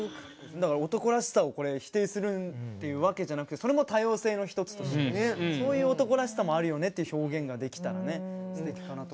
だから男らしさをこれ否定するっていうわけじゃなくてそれも多様性の一つとしてねそういう男らしさもあるよねっていう表現ができたらねすてきかなと。